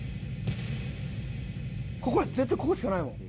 絶対ここしかないもん。